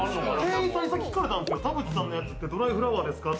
「田渕さんのやつってドライフラワーですか？」